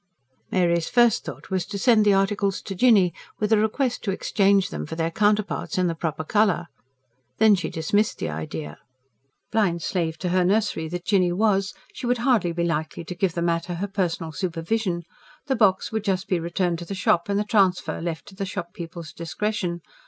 Mary's first thought was to send the articles to Jinny with a request to exchange them for their counterparts in the proper colour. Then she dismissed the idea. Blind slave to her nursery that Jinny was, she would hardly be likely to give the matter her personal supervision: the box would just be returned to the shop, and the transfer left to the shop people's discretion.